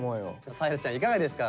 さえらちゃんいかがですか？